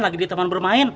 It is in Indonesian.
lagi diteman bermain